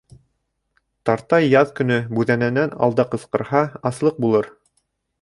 Тартай яҙ көнө бүҙәнәнән алда ҡысҡырһа, аслыҡ булыр.